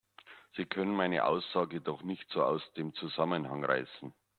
Sie können meine Aussage doch nicht so aus dem Zusammenhang reißen!